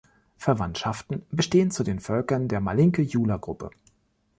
Verwandtschaften bestehen zu dem Völkern der Malinke-Jula Gruppe.